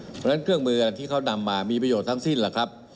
เพราะฉะนั้นเครื่องมือที่เขานำมามีประโยชน์ทั้งสิ้นแหละครับ